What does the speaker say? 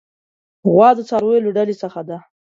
غوا د څارویو له ډلې څخه ده.